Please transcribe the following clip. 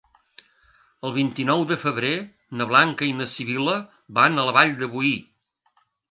El vint-i-nou de febrer na Blanca i na Sibil·la van a la Vall de Boí.